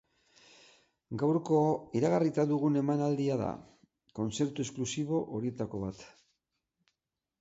Gaurko iragarrita dugun emanaldia da kontzertu esklusibo horietako bat.